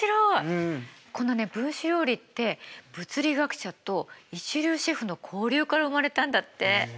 このね分子料理って物理学者と一流シェフの交流から生まれたんだって。